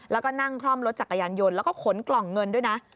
แล้วก็นั่งคล่อมรถจักรยานยนต์แล้วก็ขนกล่องเงินด้วยนะ